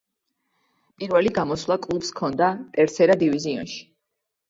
პირველი გამოსვლა კლუბს ჰქონდა ტერსერა დივიზიონში.